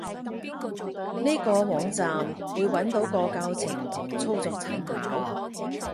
呢個網站，會揾到個教程同操作參考